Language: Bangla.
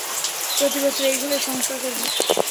প্রতিবছর এই ঘরের সংস্কার করব।